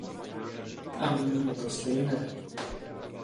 A nyní je to stejné.